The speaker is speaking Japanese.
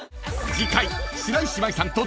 ［次回］